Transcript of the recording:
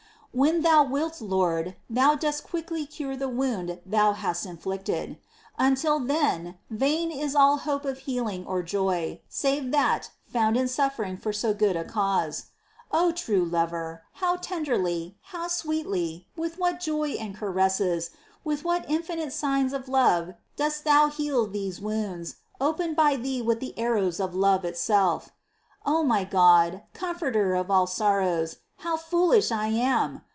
* 2. When Thou wilt. Lord, Thou dost quickly cure 1 Milner, etc., Excl. XVI. 2 Lifg^ cji^ xxbi. 13 19. Rel. viii. 16, 17. EXCLAMATIONS. I05 the wound Thou hast inflicted : until then, vain is all hope of healing or joy save that found in sufíering for so good a cause. 3. O true Lover ! how tenderly, how sweetly, with what joy and caresses, with what inñnite signs of love dost Thou heal these wounds, opened by Thee with the arrows of love itself ! 4. O my God, comforter of all sorrows, how foolish I am